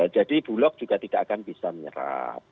jadi bulok juga tidak akan bisa menyerap